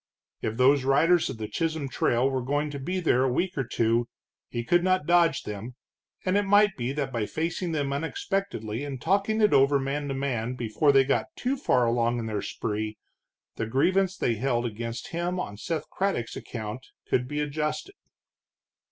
If those riders of the Chisholm Trail were going to be there a week or two, he could not dodge them, and it might be that by facing them unexpectedly and talking it over man to man before they got too far along in their spree, the grievance they held against him on Seth Craddock's account could be adjusted.